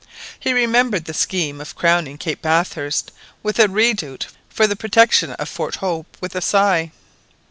He remembered the scheme of crowning Cape Bathurst with a redoubt for the protection of Fort Hope with a sigh.